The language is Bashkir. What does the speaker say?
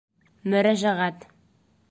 Мөрәжәғәт